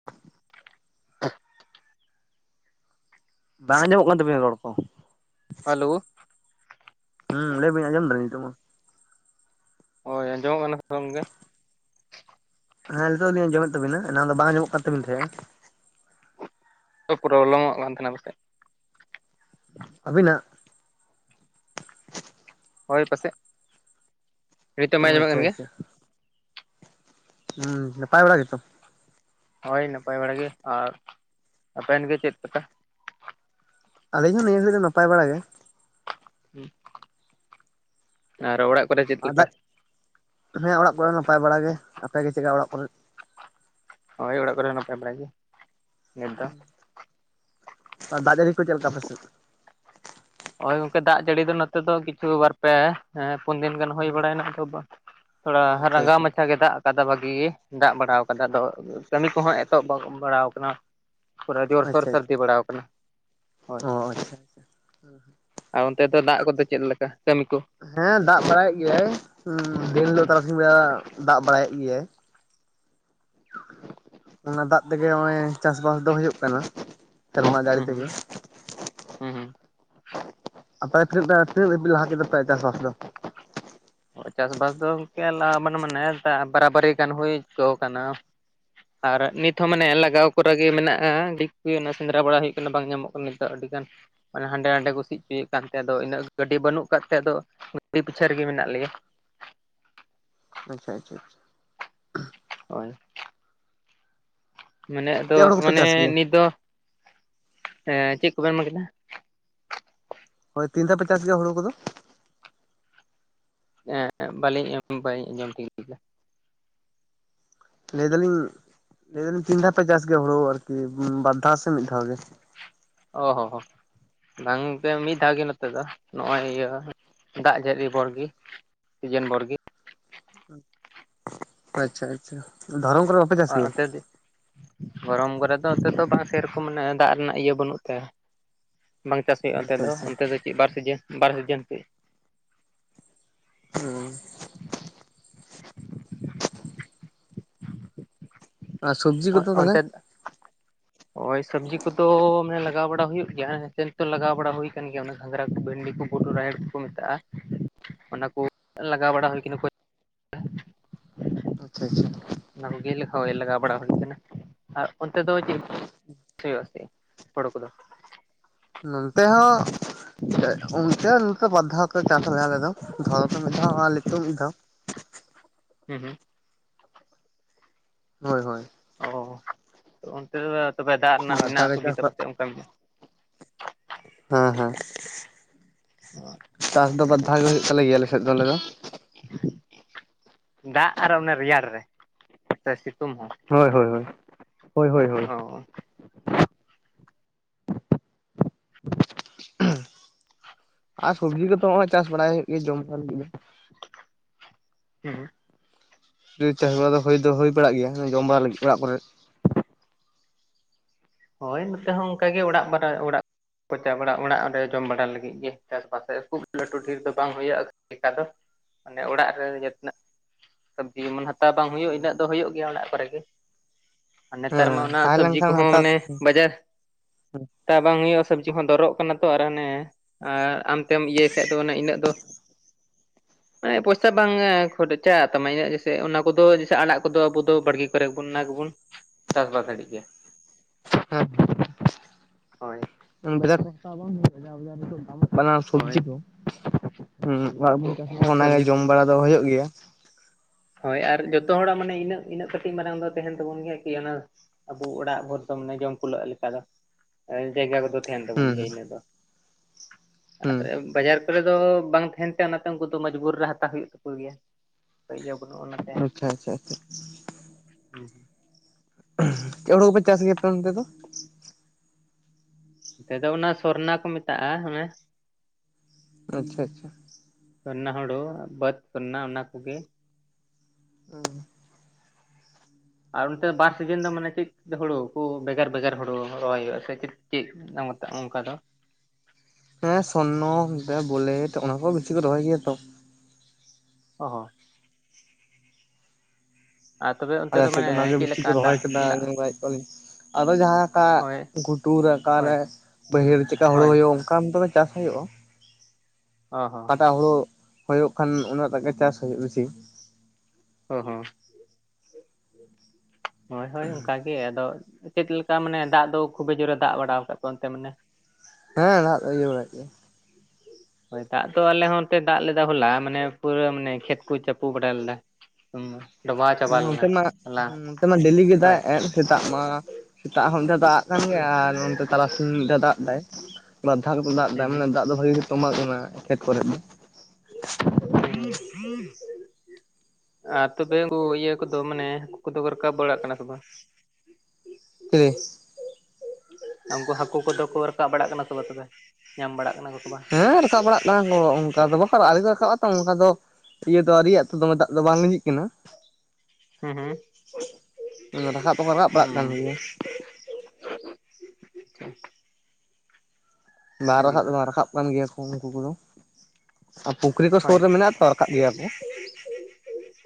[inaudible] [inaudible] ᱵᱟᱝ ᱟᱢᱚᱜ ᱠᱟᱱ ᱛᱤᱱᱟᱹᱜ ᱨᱚᱲ ᱠᱚ ᱦᱟᱞᱚ ᱦᱩᱸ ᱞᱟᱹᱭ ᱟᱱᱡᱚᱢ ᱫᱟᱞᱤᱧ ᱛᱚ ᱦᱳᱭ ᱟᱸᱡᱚᱢᱚᱜ ᱠᱟᱱᱟ [unintelligible] ᱜᱮ ᱦᱮᱸ ᱱᱤᱛᱚᱜ ᱫᱚᱞᱤᱧ ᱟᱡᱚᱢᱮᱫ ᱛᱟᱵᱤᱱᱟ ᱮᱱᱟ ᱫᱚ ᱵᱟᱝ ᱧᱟᱢᱚᱜ ᱠᱟᱱ ᱛᱟᱵᱤᱱ ᱛᱟᱦᱮᱸᱱᱟ ᱯᱨᱚᱵᱞᱮᱢᱚᱜ ᱠᱟᱱ ᱛᱟᱦᱮᱱᱟ ᱯᱟᱥᱮᱫ ᱟᱹᱵᱤᱱᱟᱜ ᱪ ᱦᱳᱭ ᱯᱟᱥᱮᱡ ᱱᱤᱛᱚᱜ ᱮᱢ ᱚ ᱟᱸᱡᱚᱢᱟᱜ ᱠᱟᱱ ᱟᱪᱪᱷᱟ ᱜᱮᱭᱟ ᱟᱪᱪᱷᱟ ᱦᱩᱸ ᱱᱟᱯᱟᱭ ᱵᱟᱲᱟᱜᱮ ᱛᱚ ᱦᱳᱭ ᱱᱟᱯᱟᱭ ᱵᱟᱲᱟ ᱜᱮ ᱟᱨ ᱟᱵᱮᱱ ᱜᱮ ᱪᱮᱫ ᱞᱮᱠᱟ ᱟᱹᱞᱤᱧ ᱦᱚᱸ ᱱᱤᱭᱟᱹ ᱜᱷᱟᱲᱤᱜ ᱫᱚ ᱱᱟᱯᱟᱭ ᱵᱟᱲᱟ ᱜᱮ ᱟᱨ ᱚᱲᱟᱜ ᱠᱚᱨᱮ ᱪᱮᱫ ᱟᱨ ᱞᱮᱠᱟ ᱫᱟᱜ ᱦᱮᱸ ᱚᱲᱟᱜ ᱠᱚᱨᱮ ᱱᱟᱯᱟᱭ ᱵᱟᱲᱟᱟᱜ ᱜᱮ ᱟᱯᱮ ᱜᱮ ᱪᱮᱜᱠᱟ ᱚᱲᱟᱜ ᱠᱚᱨᱮ ᱦᱳᱭ ᱚᱲᱟᱜ ᱠᱚᱨᱮ ᱦᱚᱸ ᱱᱟᱯᱟᱭ ᱵᱟᱲᱟ ᱜᱮ ᱱᱤᱛ ᱫᱚ ᱟᱨ ᱫᱟᱜ ᱡᱟᱲᱤ ᱠᱚ ᱪᱮᱞᱮᱠᱟ ᱟᱯᱮ ᱥᱮ ᱱᱚᱜᱼᱭ ᱜᱚᱝᱠᱮ ᱫᱟᱜ ᱡᱟᱹᱲᱤ ᱱᱚᱛᱮ ᱫᱚ ᱠᱤᱪᱷᱩ ᱯᱮ ᱦᱮᱸ ᱯᱩᱱ ᱫᱤᱱ ᱜᱟᱱ ᱦᱩᱭ ᱦᱩᱸ ᱵᱟᱲᱟᱭᱮᱱᱟ ᱛᱷᱚᱲᱟ ᱟᱪᱪᱷᱟ ᱨᱟᱸᱜᱟᱣ ᱟᱪᱪᱷᱟ ᱢᱟᱪᱷᱟ ᱜᱮ ᱫᱟᱜ ᱠᱟᱫᱟ ᱵᱷᱟᱹᱜᱤ ᱫᱟᱜ ᱵᱟᱲᱟ ᱟᱠᱟᱫᱟ ᱟᱫᱚ ᱠᱟᱹᱢᱤ ᱠᱚᱦᱚᱸ ᱮᱛᱚᱦᱚᱵ ᱵᱟᱲᱟᱣ ᱠᱟᱱᱟ ᱯᱚᱨᱮ ᱡᱳᱨᱥᱳᱨ ᱟᱪᱪᱷᱟ ᱟᱪᱪᱷᱟ ᱥᱟᱨᱫᱤ ᱵᱟᱲᱟᱣ ᱟᱠᱟᱱᱟ ᱦᱳᱭ [unintelligible] [inaudible] ᱟᱨ ᱚᱱᱛᱮ ᱫᱚ ᱫᱟᱜ ᱠᱚᱫᱚ ᱪᱮᱫ ᱞᱮᱠᱟ ᱠᱟᱹᱢᱤ ᱠᱚ ᱦᱮᱸ ᱫᱟᱜ ᱵᱟᱲᱟᱭᱮᱫ ᱜᱮᱭᱟᱭ ᱫᱤᱱ ᱦᱩᱸ ᱦᱤᱞᱳᱜ ᱛᱟᱨᱟᱥᱤᱧ ᱵᱮᱲᱟ ᱫᱟᱜ ᱵᱟᱲᱟᱭᱮᱫ ᱜᱮᱭᱟᱭ ᱚᱱᱟ ᱫᱟᱜ ᱛᱮᱜᱮ ᱦᱚᱸᱜᱼᱚᱭ ᱪᱟᱥᱼᱵᱟᱥ ᱫᱚ ᱦᱩᱭᱩᱜ ᱠᱟᱱᱟ ᱥᱮᱨᱢᱟ ᱦᱩᱸ ᱡᱟᱲᱤ ᱛᱮᱜᱮ ᱦᱩᱸ ᱦᱩᱸ ᱟᱯᱮ ᱛᱤᱱᱟᱹᱜ ᱴᱟ‌ᱛᱤᱱᱟ. ᱜ ᱞᱟ ᱠᱮᱫᱟᱯᱮ ᱪᱟᱥ ᱫᱚ ᱪᱟᱥᱵᱟᱥ ᱫᱚ ᱜᱚᱢᱠᱮ ᱞᱟᱜᱵᱚᱱ ᱢᱟᱱᱮ ᱵᱟᱨᱟᱵᱟᱨᱤ ᱜᱟᱱ ᱦᱩᱭ ᱪᱩᱠᱟᱹᱣ ᱠᱟᱱᱟ ᱟᱨ ᱱᱤᱛ ᱦᱚᱸ ᱢᱟᱱᱮ ᱞᱟᱜᱟᱣ ᱠᱚᱨᱟ ᱜᱮ ᱢᱮᱱᱟᱜᱼᱟ ᱫᱤᱠ ᱠᱚ ᱜᱮ ᱚᱱᱟ ᱥᱮᱸᱫᱽᱨᱟ ᱵᱟᱲᱟ ᱦᱩᱭᱩᱜ ᱠᱟᱱᱟ ᱵᱟᱝ ᱧᱟᱢᱚᱜ ᱠᱟᱱᱟ ᱱᱤᱛᱳᱜ ᱟᱹᱰᱤᱜᱟᱱ ᱢᱟᱱᱮ ᱦᱟᱸᱰᱮ ᱱᱟᱰᱮ ᱠᱚ ᱥᱤ ᱚᱪᱚᱭᱮᱫ ᱠᱟᱱ ᱛᱮ ᱟᱫᱚ ᱤᱱᱟᱹᱜ ᱜᱟᱹᱰᱤ ᱵᱟᱹᱱᱩᱜ ᱟᱠᱟᱫᱛᱮ ᱟᱫᱚ ᱜᱟᱹᱰᱤ ᱯᱤᱪᱷᱟᱹ ᱨᱮᱜᱮ ᱢᱮᱱᱟᱜ ᱞᱮᱭᱟ ᱟᱪᱪᱟ ᱟᱪᱷᱟ ᱟᱪᱷᱟ ᱦᱳᱭ ᱢᱟᱱᱮ ᱟᱫᱚ ᱪᱮᱫ ᱦᱩᱲᱩ ᱠᱚᱯᱮ ᱢᱟᱱᱮ ᱪᱟᱥ ᱜᱮᱭᱟ ᱱᱤᱛ ᱫᱚ ᱪᱮᱫ ᱠᱚᱵᱮᱱ ᱢᱮ [unintelligible] ᱠᱮᱫᱟ ᱦᱳᱭ ᱛᱤᱱ ᱫᱷᱟᱣ ᱯᱮ ᱪᱟᱥ ᱜᱮᱭᱟ ᱦᱩᱲᱩ ᱠᱚᱫᱚ ᱮᱜ ᱵᱟᱹᱞᱤᱧ ᱵᱟᱹᱧ ᱟᱸᱡᱚᱢ ᱛᱤᱭᱳᱜ ᱞᱮᱫᱟ ᱞᱟᱹᱭ ᱫᱟᱞᱤᱧ ᱞᱟᱹᱭ ᱫᱟᱞᱤᱧ ᱛᱤᱱ ᱫᱷᱟᱣ ᱯᱮ ᱪᱟᱥ ᱜᱮᱭᱟ ᱦᱩᱲᱩ ᱟᱨᱠᱤ ᱵᱟᱨ ᱫᱷᱟᱣ ᱥᱮ ᱢᱤᱫ ᱫᱷᱟᱣ ᱜᱮ ᱚ ᱦᱚᱸ ᱦᱚᱸ ᱵᱟᱝ ᱜᱚᱝᱠᱮ ᱢᱤᱫ ᱫᱷᱟᱣ ᱜᱮ ᱱᱚᱛᱮ ᱫᱚ ᱱᱚᱜᱚᱭ ᱤᱭᱟᱹ ᱫᱟᱜ ᱡᱟᱹᱲᱤ ᱵᱚᱨ ᱜᱤ ᱥᱤᱡᱮᱱ ᱵᱚᱨᱜᱤ ᱟᱪᱪᱷᱟ ᱟᱪᱪᱷᱟ ᱫᱷᱚᱨᱚᱱ ᱠᱚᱨᱮ ᱵᱟᱯᱮ ᱪᱟᱥ ᱜᱮᱭᱟ ᱫᱷᱚᱨᱚᱱ ᱠᱚᱨᱮ ᱫᱚ ᱚᱛᱮ ᱫᱚ ᱵᱟᱝ ᱥᱮᱨᱚᱠᱚᱢ ᱫᱟᱜ ᱨᱮᱱᱟᱜ ᱤᱭᱟᱹ ᱵᱟᱹᱱᱩᱜ ᱛᱮ ᱵᱟᱝ ᱪᱟᱥ ᱦᱩᱭᱩᱜᱼᱟ ᱱᱚᱛᱮ ᱟᱪᱪᱷᱟ ᱫᱚ ᱟᱪᱪᱷᱟ ᱚᱱᱛᱮ ᱫᱚ ᱪᱮᱫ ᱵᱟᱨ ᱥᱤᱡᱤᱱ ᱵᱟᱨ ᱥᱤᱡᱤᱱ ᱪᱮᱫ [unintelligible] ᱟᱨ ᱥᱚᱵᱽᱡᱤ ᱚᱱ ᱠᱚᱫᱚ ᱛᱟᱦᱚᱞᱮ ᱚᱱᱛᱮ ᱳᱭ ᱥᱚᱵᱽᱡᱤ ᱠᱚᱫᱚ ᱢᱟᱱᱮ ᱞᱟᱜᱟᱣ ᱵᱟᱲᱟ ᱦᱩᱭᱩᱜ ᱜᱮᱭᱟ ᱦᱟᱱᱛᱮ ᱱᱟᱛᱮ ᱞᱟᱜᱟᱣ ᱵᱟᱲᱟ ᱦᱩᱭ ᱟᱠᱟᱱ ᱜᱮᱭᱟ ᱜᱷᱟᱝᱨᱟ ᱠᱚ ᱵᱷᱮᱱᱰᱤ ᱠᱚ ᱜᱩᱴᱩ [unintelligible] ᱨᱟᱦᱮᱲ ᱠᱚ ᱠᱚ ᱢᱮᱛᱟᱜᱼᱟ ᱚᱱᱟ ᱠᱚ ᱞᱟᱜᱟᱣ ᱵᱟᱲᱟ ᱦᱩᱭ ᱠᱟᱱᱟ ᱟᱪᱪᱷᱟ ᱟᱪᱪᱷᱟ ᱚᱱᱟ ᱠᱚ ᱜᱮ ᱞᱟᱜᱟᱣ ᱵᱟᱲᱟ ᱦᱩᱭ ᱠᱟᱱᱟ ᱟᱨ ᱚᱱᱛᱮ ᱫᱚ ᱪᱮᱫ ᱥᱮᱭ [inaudible] ᱥᱮ ᱦᱳᱲᱳ ᱠᱚ ᱫᱚ ᱱᱚᱱ ᱛᱮ ᱦᱚᱸ ᱚᱱᱛᱮ ᱱᱚᱛᱮ ᱵᱟᱨᱫᱷᱟ ᱠᱚ ᱪᱟᱥ ᱟᱞᱮ ᱫᱚ ᱫᱷᱚᱨᱚᱱ ᱥᱮᱫ ᱢᱤᱫ ᱫᱷᱟᱣ ᱟᱨ ᱱᱤᱛᱳᱜ ᱢᱤᱫ ᱫᱷᱟᱣ ᱦᱮᱸ ᱦᱩᱸ ᱦᱳᱭ ᱦᱳᱭ ᱾ [unintelligible] ᱚᱱᱛᱮ ᱫᱚ ᱛᱚᱵᱮ ᱫᱟᱜ ᱨᱮᱱᱟᱜ ᱵᱟᱨ ᱫᱷᱟᱣ ᱢᱮᱱᱟᱜᱼᱟ ᱜᱮ ᱪᱟᱥ ᱥᱩᱵᱤᱫᱟ ᱫᱚ ᱯᱟᱥᱮᱡ ᱚᱱᱠᱟᱱ ᱼᱼ ᱦᱮᱸ ᱦᱮᱸ ᱪᱟᱥ ᱫᱚ ᱵᱟᱨ ᱫᱷᱟᱣ ᱜᱮ ᱦᱩᱭᱩᱜ ᱛᱟᱞᱮ ᱜᱮᱭᱟ ᱟᱞᱮ ᱥᱮᱫ ᱫᱚ ᱟᱞᱮ ᱫᱚ ᱾ ᱫᱟᱜ ᱟᱨ ᱚᱱᱮ ᱨᱮᱭᱟᱲ ᱨᱮ ᱥᱮ ᱥᱤᱛᱩᱝ ᱦᱚᱸ ᱾ ᱦᱳᱭ ᱦᱳᱭ ᱦᱳᱭ, ᱦᱳᱭ ᱦᱳᱭ ᱦᱳᱭ ᱾ ᱦᱩᱸ ᱟᱨ ᱥᱚᱵᱽᱡᱤ ᱠᱚᱫᱚ ᱦᱚᱸᱜᱼᱚᱭ ᱪᱟᱥ ᱵᱟᱲᱟᱭ ᱦᱩᱭᱩᱜ ᱜᱮᱭᱟ ᱡᱚᱢ ᱞᱟᱹᱜᱤᱫ ᱫᱚ ᱾ ᱦᱩᱸ ᱾ ᱪᱟᱥ ᱵᱟᱲᱟ ᱫᱚ ᱦᱩᱭ ᱫᱚ ᱦᱩᱭ ᱵᱟᱲᱟᱜ ᱜᱮᱭᱟ ᱡᱚᱢ ᱵᱟᱲᱟ ᱞᱟᱹᱜᱤᱫ ᱚᱲᱟᱜ ᱠᱚᱨᱮ ᱾ ᱦᱳᱭ ᱱᱚᱛᱮ ᱦᱚᱸ ᱚᱱᱠᱟ ᱜᱮ ᱚᱲᱟᱜ ᱵᱟᱲᱟ ᱚᱲᱟᱜ [unintelligible] ᱵᱟᱲᱟ ᱚᱲᱟᱜ ᱨᱮ ᱡᱚᱢ ᱵᱟᱲᱟ ᱞᱟᱹᱜᱤᱫ ᱜᱮ ᱪᱟᱥᱵᱟᱥ ᱠᱷᱩᱵ ᱞᱟᱹᱴᱩ ᱰᱷᱤᱨ ᱫᱚ ᱵᱟᱝ ᱦᱩᱭᱩᱜᱼᱟ ᱾ ᱞᱮᱠᱟ ᱫᱚ ᱢᱟᱱᱮ ᱚᱲᱟᱜ ᱨᱮ ᱱᱤᱡᱮ ᱛᱮᱱᱟᱜ ᱥᱚᱵᱽᱡᱤ ᱡᱮᱢᱚᱱ ᱦᱟᱛᱟᱣ ᱵᱟᱝ ᱦᱩᱭᱩᱜ ᱤᱱᱟᱹᱜ ᱫᱚ ᱦᱩᱭᱩᱜ ᱜᱮᱭᱟ ᱚᱲᱟᱜ ᱠᱚᱨᱮ ᱜᱮ ᱾ ᱱᱮᱛᱟᱨ ᱢᱟ ᱦᱮᱸ ᱚᱱᱟ ᱛᱟᱦᱮᱸ ᱥᱚᱵᱽᱡᱤ ᱞᱮᱱᱠᱷᱟᱱ ᱠᱚᱦᱚᱸ ᱦᱟᱛᱟᱣ ᱢᱟᱱᱮ ᱵᱟᱡᱟᱨ ᱛᱚ ᱵᱟᱝ ᱦᱩᱭᱩᱜᱼᱟ ᱥᱚᱵᱽᱡᱤ ᱦᱚᱸ ᱫᱚᱨᱚᱜ ᱠᱟᱱᱟ ᱛᱚ ᱟᱨ ᱚᱱᱮ ᱟᱨ ᱟᱢᱛᱮᱢ ᱤᱭᱟᱹᱭ ᱠᱷᱟᱱ ᱫᱚ ᱚᱱᱮ ᱤᱱᱟᱹᱜ ᱫᱚ ᱢᱟᱱᱮ ᱯᱚᱭᱥᱟ ᱵᱟᱝ ᱠᱷᱚᱨᱪᱟ ᱛᱟᱢᱟ ᱤᱱᱟᱹ ᱡᱮᱥᱮ ᱚᱱᱟ ᱠᱚᱫᱚ ᱡᱮᱥᱮ ᱟᱲᱟᱜ ᱠᱚᱫᱚ ᱟᱵᱚ ᱫᱚ ᱵᱟᱲᱜᱮ ᱠᱚ ᱨᱮ ᱵᱚᱱ ᱚᱱᱟ ᱜᱮᱵᱚᱱ ᱪᱟᱥᱵᱟᱥ ᱫᱟᱲᱮᱜ ᱜᱮᱭᱟ ᱾ [unintelligible] ᱦᱚᱭ ᱾ ᱵᱷᱮᱜᱟᱨ ᱯᱚᱭᱥᱟᱹ ᱢᱟ ᱵᱟᱝ ᱦᱳᱭᱳᱜᱼᱟ [unintelligible] ᱵᱟᱱᱟᱨ ᱦᱳᱭ ᱥᱚᱵᱽᱡᱤ ᱫᱚ ᱥᱚᱵᱽᱡᱤ ᱚᱲᱟᱜ ᱨᱮ ᱵᱚᱱ ᱪᱟᱥ ᱠᱚᱦᱚᱸ ᱞᱮᱠᱷᱟᱱ ᱚᱱᱟᱜᱮ ᱥᱚᱵᱽᱡᱤ ᱡᱚᱢ ᱵᱟᱲᱟ ᱫᱚ ᱦᱩᱭᱩᱜ ᱜᱮᱭᱟ ᱾ ᱦᱳᱭ ᱟᱨ ᱡᱚᱛᱚ ᱦᱚᱲᱟᱜ ᱢᱟᱱᱮ ᱤᱱᱟᱹᱜ ᱤᱱᱟᱹᱜ ᱠᱟᱹᱴᱤᱡ ᱢᱟᱨᱟᱝ ᱫᱚ ᱛᱟᱦᱮᱱ ᱛᱟᱵᱚᱱ ᱜᱮᱭᱟ ᱠᱤ ᱚᱱᱟ ᱟᱵᱚ ᱚᱲᱟᱜ ᱦᱚᱲ ᱫᱚ ᱢᱟᱱᱮ ᱡᱚᱢ ᱠᱩᱞᱟᱹᱜ ᱞᱮᱠᱟ ᱫᱚ ᱡᱟᱭᱜᱟ ᱠᱚᱫᱚ ᱛᱟᱦᱮᱱ ᱛᱟᱵᱚᱱ ᱦᱩᱸ ᱜᱮᱭᱟ ᱤᱱᱟᱹ ᱫᱚ ᱾ ᱟᱨ ᱦᱩᱸ ᱵᱟᱡᱟᱨ ᱠᱚᱨᱮ ᱫᱚ ᱵᱟᱝ ᱛᱟᱦᱮᱱ ᱛᱮ ᱚᱱᱟᱛᱮ ᱩᱱᱠᱩ ᱫᱚ ᱢᱚᱡᱽᱵᱩᱨ ᱨᱮ ᱦᱟᱛᱟᱣ ᱦᱩᱭᱩᱜ ᱛᱟᱠᱩ ᱜᱮᱭᱟ ᱾ ᱤᱭᱟᱹ ᱵᱟᱱᱩᱜᱼᱟᱱᱟ ᱾ ᱟᱪᱪᱷᱟ ᱟᱪᱪᱷᱟ ᱟᱪᱪᱷᱟ ᱾ ᱦᱩᱸ ᱦᱩᱸ ᱾ ᱪᱮᱫ ᱦᱩᱲᱩ ᱠᱚ ᱯᱮ ᱪᱟᱥ ᱜᱮᱭᱟ ᱟᱯᱮ ᱚᱱᱛᱮ ᱫᱚ? ᱱᱚᱛᱮ ᱫᱚ ᱚᱱᱟ ᱥᱚᱨᱱᱟ ᱠᱚ ᱢᱮᱛᱟᱜᱼᱟ ᱚᱱᱮᱼᱼ ᱟᱪᱪᱷᱟ ᱟᱪᱪᱷᱟ ᱾ ᱥᱚᱨᱱᱟ ᱦᱩᱲᱩ ᱵᱟᱹᱫᱽ ᱥᱚᱨᱱᱟ ᱚᱱᱟ ᱠᱚᱜᱮ ᱾ ᱦᱩᱸ ᱾ ᱟᱨ ᱚᱱᱛᱮ ᱵᱟᱨ ᱥᱤᱡᱤᱱ ᱫᱚ ᱢᱟᱱᱮ ᱪᱮᱫ ᱼᱼ ᱦᱩᱲᱩ ᱠᱚ ᱵᱷᱮᱜᱟᱨ ᱵᱷᱮᱜᱟᱨ ᱦᱩᱲᱩ ᱨᱚᱦᱚᱭ ᱦᱩᱭᱩᱜᱼᱟ ᱥᱮ ᱪᱮᱫ ᱪᱮᱫ ᱚᱱᱠᱟ ᱫᱚ? ᱦᱮᱸ ᱥᱚᱨᱱᱚ ᱵᱳᱞᱮᱴ ᱚᱱᱟ ᱠᱚ ᱵᱮᱥᱤ ᱠᱚ ᱨᱚᱦᱚᱭ ᱜᱮᱭᱟ ᱛᱚ ᱾ ᱚ ᱦᱚ ᱾ ᱟᱨ ᱛᱚᱵᱮ ᱚᱱᱛᱮ ᱟᱞᱮ ᱥᱮᱫ ᱢᱟᱱᱮ ᱫᱚ ᱚᱱᱟ ᱜᱮ ᱪᱮᱫ ᱵᱮᱥᱤ ᱠᱚ ᱞᱮᱠᱟ ᱨᱚᱦᱚᱭ ᱫᱟᱜ ᱠᱮᱫᱟ ᱫᱟᱜ ᱧᱮᱞ ᱵᱟᱲᱟᱭᱮᱫ ᱠᱚᱣᱟ ᱞᱤᱧ ᱾ ᱟᱫᱚ ᱡᱟᱦᱟᱸ ᱞᱮᱠᱟ ᱦᱳᱭ ᱜᱷᱩᱴᱩ ᱨᱮ ᱦᱳᱭ ᱚᱠᱟᱨᱮ ᱵᱟᱹᱭᱦᱟᱲ ᱪᱮᱠᱟ ᱦᱩᱲᱩ ᱦᱳᱭ ᱦᱩᱭᱩᱜᱼᱼ ᱠᱟᱢ ᱛᱚᱵᱮ ᱪᱟᱥ ᱦᱩᱭᱩᱜᱼᱟᱼᱼ ᱚ ᱦᱚ ᱾ ᱚᱠᱟ ᱦᱳᱲᱳ ᱦᱩᱭᱩᱜ ᱠᱷᱟᱱ ᱩᱱᱟᱹᱜ ᱴᱟᱜ ᱜᱮ ᱪᱟᱥ ᱦᱩᱭᱩᱜ ᱵᱮᱥᱤ ᱾ ᱚ ᱦᱚ ᱾ ᱦᱳᱭ ᱦᱳᱭ ᱚᱱᱠᱟ ᱜᱮ ᱟᱫᱚ ᱪᱮᱫ ᱞᱮᱠᱟ ᱢᱟᱱᱮ ᱫᱟᱜ ᱫᱚ ᱠᱷᱩᱵ ᱡᱳᱨᱮ ᱫᱟᱜ ᱵᱟᱲᱟ ᱟᱠᱟᱫ ᱠᱚ ᱚᱱᱛᱮ ᱢᱟᱱᱮᱼᱼ ᱦᱮᱸ ᱱᱟᱦᱟᱜ ᱫᱚ ᱤᱭᱟᱹ ᱵᱟᱲᱟᱭᱮᱫ ᱜᱮᱼᱼ ᱦᱳᱭ ᱫᱟᱜ ᱫᱚ ᱟᱞᱮ ᱦᱚᱸ ᱱᱚᱛᱮ ᱫᱟᱜ ᱞᱮᱫᱟ ᱦᱚᱞᱟ ᱢᱟᱱᱮ ᱯᱩᱨᱟᱹ ᱢᱟᱱᱮ ᱠᱷᱮᱛ ᱠᱚ ᱪᱟᱯᱩ ᱵᱟᱲᱟ ᱞᱮᱫᱟ ᱾ ᱦᱩᱸ ᱰᱳᱵᱟᱣ ᱪᱟᱵᱟ ᱞᱮᱱᱟ ᱼᱼ ᱦᱮᱸ ᱱᱚᱛᱮ ᱢᱟ ᱰᱮᱞᱤ ᱜᱮ ᱫᱟᱜ ᱮᱫ ᱥᱮᱛᱟᱜ ᱢᱟ ᱾ ᱥᱮᱛᱟᱜ ᱦᱚᱸ ᱢᱤᱫ ᱫᱷᱟᱣ ᱫᱟᱜ ᱟᱜ ᱠᱟᱱ ᱜᱮᱭᱟ ᱟᱨ ᱱᱚᱱᱛᱮ ᱛᱟᱨᱟᱥᱤᱧ ᱢᱤᱫ ᱫᱷᱟᱣ ᱫᱟᱜ ᱫᱟᱭ ᱾ ᱵᱟᱨ ᱫᱷᱟᱣ ᱠᱟᱛᱮ ᱫᱟᱜ ᱮᱫᱟ ᱦᱩᱸ ᱢᱟᱱᱮ ᱫᱟᱜ ᱫᱚ ᱵᱷᱟᱜᱤ ᱜᱮ ᱛᱚᱢᱵᱟ ᱠᱟᱱᱟ ᱠᱷᱮᱛ ᱠᱚᱨᱮ ᱫᱚ ᱾ [unintelligible] ᱟᱨ ᱛᱚᱵᱮ ᱩᱱᱠᱩ ᱤᱭᱟᱹ ᱠᱚᱫᱚ ᱢᱟᱱᱮ ᱦᱟᱠᱩ ᱫᱚ ᱨᱟᱠᱟᱵ ᱵᱟᱲᱟ ᱠᱟᱱᱟ ᱥᱮ ᱵᱟᱝ? [unintelligible] ᱩᱱᱠᱩ ᱦᱟᱹᱠᱩ ᱠᱚᱫᱚ ᱠᱚ ᱨᱟᱠᱟᱵ ᱵᱟᱲᱟᱜ ᱠᱟᱱᱟ ᱛᱚᱵᱮ-ᱛᱚᱵᱮ ᱧᱟᱢ ᱵᱟᱲᱟᱜ ᱠᱟᱱᱟ ᱠᱚ? ᱥᱮ ᱵᱟᱝ? ᱦᱮᱸ ᱨᱟᱠᱟᱵ ᱵᱟᱲᱟᱜ [unintelligible] ᱚᱱᱠᱟ ᱫᱚ ᱵᱟᱠᱟᱨᱚᱜᱼᱟ ᱟᱲᱮ ᱠᱚ ᱨᱟᱠᱟᱵ ᱛᱚ ᱚᱱᱠᱟ ᱫᱚ ᱤᱭᱟᱹ ᱫᱚ ᱟᱹᱣᱨᱤᱭᱟᱜᱚ ᱫᱚᱢᱮ ᱫᱟᱜ ᱫᱚ ᱵᱟᱝ ᱞᱸᱤᱡᱤ ᱠᱟᱱᱟ ᱾ [inaudible] ᱦᱩᱸ ᱦᱩᱸ ᱾ [unintelligible] ᱨᱟᱠᱟᱵ ᱫᱚᱠᱚ ᱨᱟᱵ ᱠᱟᱜ ᱠᱟᱱ ᱜᱮᱭᱟ ᱾ ᱵᱟᱝ ᱟᱹᱰᱤ ᱨᱟᱠᱟᱵ ᱫᱚ ᱵᱟᱝ ᱨᱟᱠᱟᱵ ᱠᱟᱱ ᱜᱮᱭᱟ ᱠᱚ ᱦᱟᱠᱩ ᱠᱚᱫᱚ [unintelligible] ᱟᱨ ᱯᱩᱠᱷᱨᱤ ᱠᱚ ᱦᱳᱭ ᱥᱩᱨ ᱨᱮ ᱢᱮᱱᱟᱜᱼᱟ ᱛᱚ ᱨᱟᱠᱟᱵ ᱜᱮᱭᱟ ᱠᱚ ᱾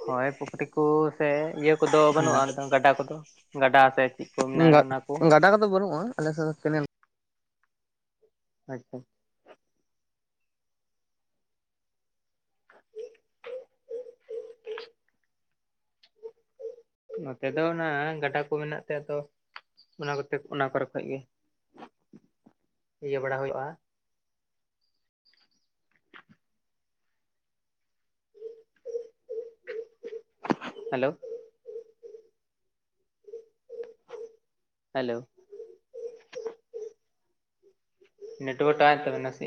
ᱦᱚᱭ ᱯᱩᱠᱷᱨᱤ ᱠᱚ ᱥᱮ ᱤᱭᱟᱹ ᱠᱚᱫᱚ ᱵᱟᱹᱱᱩᱜᱼᱟ ᱜᱟᱰᱟ ᱠᱚᱫᱚ ᱜᱟᱰᱟ ᱥᱮ ᱪᱮᱫ ᱠᱚ ᱢᱮᱱᱟᱜᱼᱟ ᱚᱱᱟ ᱠᱚ ᱜᱟᱰᱟ ᱠᱚᱫᱚ ᱵᱟᱹᱱᱩᱜᱼᱟ ᱟᱞᱮ ᱥᱮᱫ ᱫᱚ ᱠᱮᱱᱮᱞ ᱾ ᱟᱪᱪᱷᱟ ᱾ [unintelligible] [unintelligible] ᱱᱚᱛᱮ ᱫᱚ ᱚᱱᱟ ᱜᱟᱰᱟ ᱠᱚ ᱢᱮᱱᱟᱜ ᱛᱮ ᱛᱚ ᱚᱱᱟ ᱠᱚᱛᱮ ᱚᱱᱟ ᱠᱚᱨᱮ ᱠᱷᱚᱡ ᱜᱮ [unintelligible] ᱤᱭᱟᱹ ᱵᱟᱲᱟ ᱦᱩᱭᱩᱜᱼᱟ ᱾ ᱦᱮᱞᱚ ᱾ ᱦᱮᱞᱚ [unintelligible] ᱱᱮᱴᱚᱣᱟᱨᱠ ᱦᱟᱴᱟᱣ ᱮᱱ ᱛᱟᱵᱮᱱᱟ ᱥᱮ